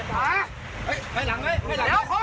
แกมือก่อน